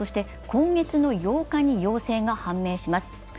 今月の８日に陽性が判明します。